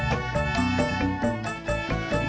kami mengelola masaje ari